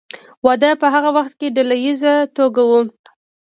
واده په هغه وخت کې په ډله ایزه توګه و.